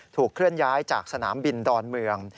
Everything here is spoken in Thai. เคลื่อนย้ายจากสนามบินดอนเมือง